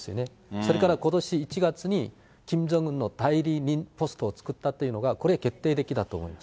それからことし１月に、キム・ジョンウンの代理人ポストを作ったというのが、これ、決定的だと思います。